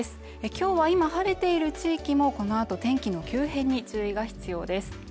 今日は今晴れている地域もこのあと天気の急変に注意が必要です。